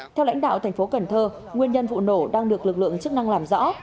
theo lãnh đạo thành phố cần thơ nguyên nhân vụ nổ đang được lực lượng chức năng làm rõ